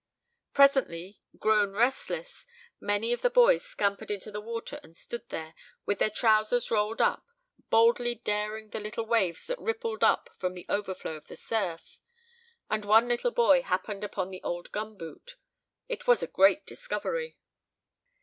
Presently, grown restless, many of the boys scampered into the water and stood there, with their trousers rolled up, boldly daring the little waves that rippled up from the overflow of the surf. And one little boy happened upon the old gum boot. It was a great discovery.